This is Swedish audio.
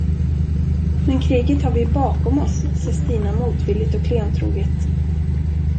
Men kriget har vi ju bakom oss, sade Stina motvilligt och klentroget.